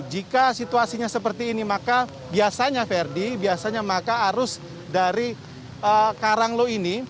jika situasinya seperti ini maka biasanya verdi biasanya maka arus dari karanglo ini